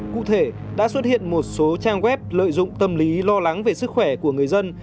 cụ thể đã xuất hiện một số trang web lợi dụng tâm lý lo lắng về sức khỏe của người dân